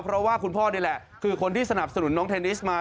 เพราะว่าคุณพ่อนี่แหละคือคนที่สนับสนุนน้องเทนนิสมา